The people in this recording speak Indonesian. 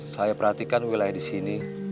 saya perhatikan wilayah di sini